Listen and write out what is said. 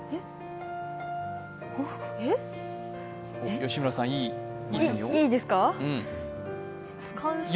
吉村さんいいですよ。